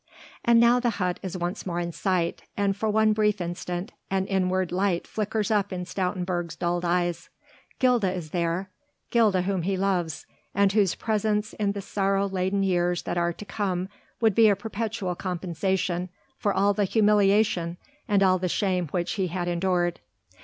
And now the hut is once more in sight, and for one brief instant an inward light flickers up in Stoutenburg's dulled eyes. Gilda is there, Gilda whom he loves, and whose presence in the sorrow laden years that are to come would be a perpetual compensation for all the humiliation and all the shame which he had endured.